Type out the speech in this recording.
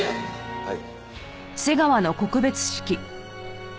はい。